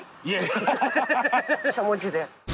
しゃもじで。